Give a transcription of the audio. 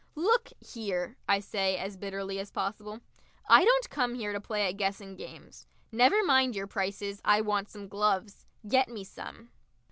"Look here!" I say, as bitterly as possible. "I don't come here to play at Guessing Games. Never mind your prices. I want some gloves. Get me some!"